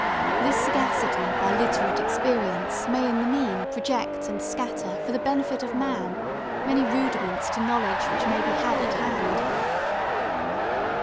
... This sagacity by literate experience may in the mean project and scatter for the benefit of man many rudiments to knowledge which may be had at hand."